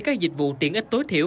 các dịch vụ tiện ích tối thiểu